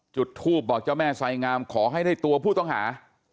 จุดทูบบอกเจ้าแม่ไซงามขอให้ได้ตัวผู้ต้องหา